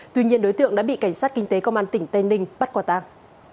tuy nhiên đối tượng đã bị cảnh sát kinh tế công an tỉnh tây ninh bắt qua tàng